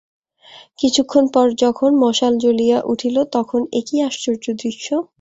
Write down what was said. কিছুক্ষণ পরে যখন মশাল জ্বলিয়া উঠিল, তখন, এ কী আশ্চর্য দৃশ্য!